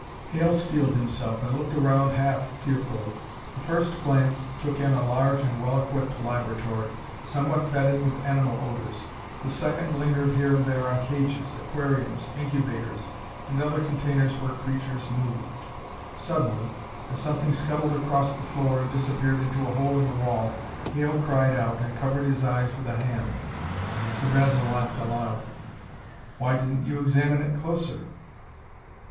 Hale steeled himself and looked around half fearfully. The first glance took in a large and well equipped laboratory, somewhat fetid with animal odors. The second lingered here and there on cages, aquariums, incubators, and other containers where creatures moved. Suddenly, as something scuttled across the floor and disappeared into a hole in the wall, Hale cried out and covered his eyes with a hand. Sir Basil laughed aloud. "Why didn't you examine it closer?"